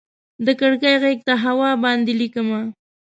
د کړکۍ غیږ ته هوا باندې ليکمه